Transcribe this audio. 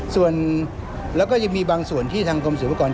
ส่วนแล้วก็ยังมีบางส่วนที่ทางกรมศิลปกร